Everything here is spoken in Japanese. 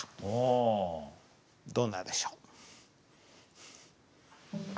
どんなでしょ？